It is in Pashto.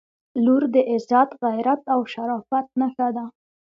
• لور د عزت، غیرت او شرافت نښه ده.